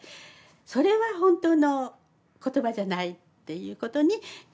それは本当の言葉じゃないっていうことに気が付いて。